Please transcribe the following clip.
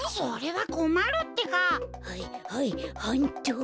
はいはいはんっと。